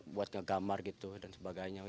buat ngegamar gitu dan sebagainya